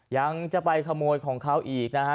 ยังจะไปขโมยของเขาอีกนะฮะ